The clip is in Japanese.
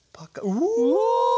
うわ！